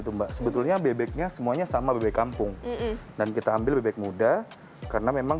tuh mbak sebetulnya bebeknya semuanya sama bebek kampung dan kita ambil bebek muda karena memang